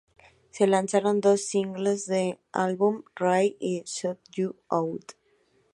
Se lanzaron dos singles del álbum: "Ray" y "Shut You Out".